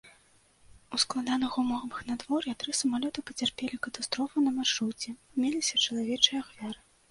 У складаных умовах надвор'я тры самалёты пацярпелі катастрофу на маршруце, меліся чалавечыя ахвяры.